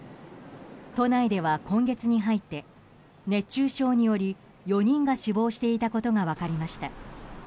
都内では今月に入って熱中症により４人が死亡していたことが分かりました。